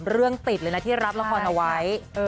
เรื่องติดเลยนะที่รับละครเอาไว้